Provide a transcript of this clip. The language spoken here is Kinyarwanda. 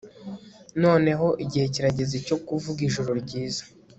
noneho igihe kirageze cyo kuvuga ijoro ryiza